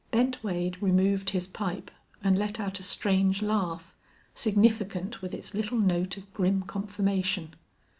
Bent Wade removed his pipe and let out a strange laugh, significant with its little note of grim confirmation.